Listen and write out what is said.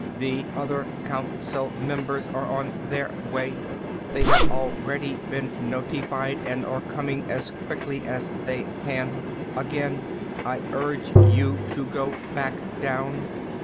"The other Council Members are on their way. They have already been notified and are coming as quickly as they can. Again I urge you to go back down."